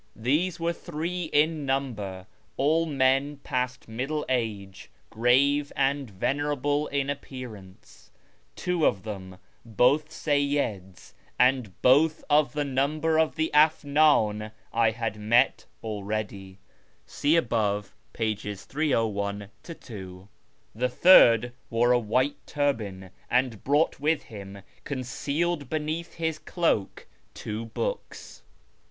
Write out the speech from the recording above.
These were three in number, all men past middle age, grave and venerable in appearance. Two of them, both Seyyids, and both of the number of the Afndn} I had met already. The third wore a white turban, and brought with him, concealed beneath his cloak, two books.